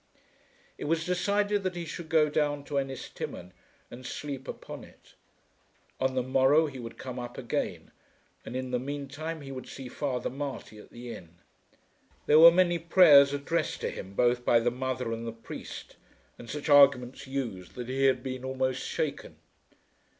It was decided that he should go down to Ennistimon and sleep upon it. On the morrow he would come up again, and in the meantime he would see Father Marty at the inn. There were many prayers addressed to him both by the mother and the priest, and such arguments used that he had been almost shaken.